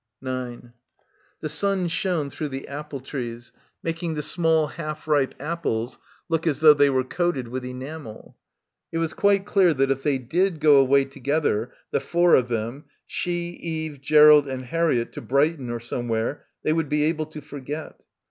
9 The sun shone through the apple trees, making the small half ripe apples look as though they were coated with enamel. It was quite clear that if they did go away — 217 — PILGRIMAGE together, the four of them, she, Eve, Gerald and Harriett to Brighton or somewhere, they would be able to forget.